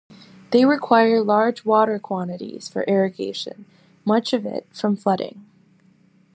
They require large water quantities for irrigation, much of it from flooding.